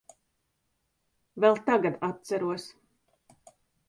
Vēl tagad atceros.